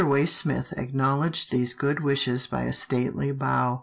Waysmith acknowledged these good wishes by a stately bow.